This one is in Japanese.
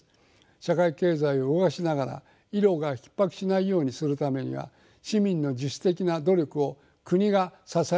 社会経済を動かしながら医療がひっ迫しないようにするためには市民の自主的な努力を国が支えることが重要だと思います。